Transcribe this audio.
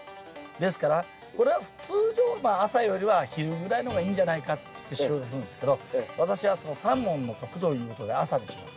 ですからこれは通常は朝よりは昼ぐらいの方がいいんじゃないかって収穫するんですけど私は「三文の徳」ということで朝にします。